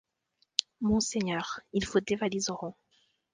Monseigneur, ils vous dévaliseront.